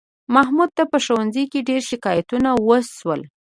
محمود ته په ښوونځي کې ډېر شکایتونه وشول